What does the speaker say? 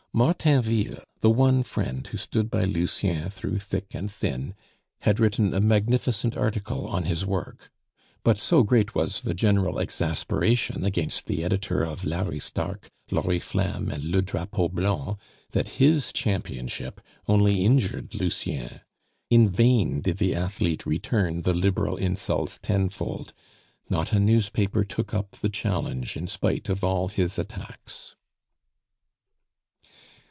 Martainville, the one friend who stood by Lucien through thick and thin, had written a magnificent article on his work; but so great was the general exasperation against the editor of L'Aristarque, L'Oriflamme, and Le Drapeau Blanc, that his championship only injured Lucien. In vain did the athlete return the Liberal insults tenfold, not a newspaper took up the challenge in spite of all his attacks.